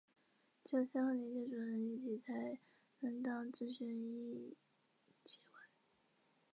只有三个零件组成一体才能当自转旋翼机玩。